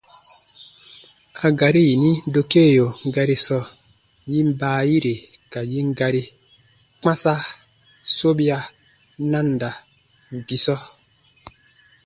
A gari yari yini dokeo gari sɔɔ, yin baayire ka yin gari: kpãsa- sobia- nanda-gisɔ.